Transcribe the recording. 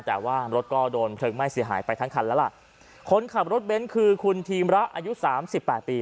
แต่ว่ารถก็โดนเพลิงไหม้เสียหายไปทั้งคันแล้วล่ะคนขับรถเบนท์คือคุณทีมระอายุสามสิบแปดปี